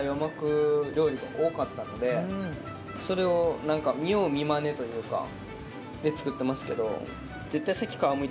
それをなんか見よう見まねというか。で作ってますけど。